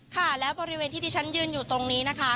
ค่ะและบริเวณที่ที่ฉันยืนอยู่ตรงนี้นะคะ